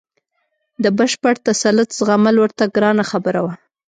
د بشپړ تسلط زغمل ورته ګرانه خبره وه.